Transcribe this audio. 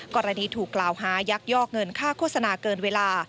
กรณีถูกกล่าวหายักยอกเงินค่าโฆษณาเกินเวลา